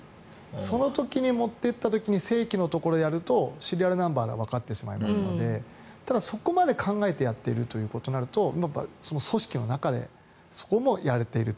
その時に持って行った時に正規のところでやるとシリアルナンバーでわかってしまうのでただ、そこまで考えてやってるとなると、組織の中でそこもやられていると。